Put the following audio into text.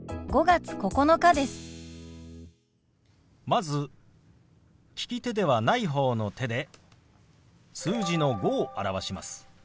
まず利き手ではない方の手で数字の「５」を表します。